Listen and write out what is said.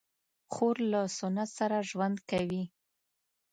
خور له سنت سره ژوند کوي.